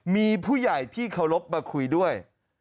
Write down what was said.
มีผู้ใหญ่ที่เคารพมาคุยด้วย